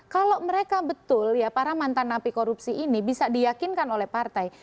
kalau mereka betul ya para mantan napi korupsi ini bisa diyakinkan oleh partai